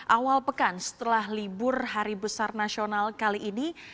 awal pekan setelah libur hari besar nasional kali ini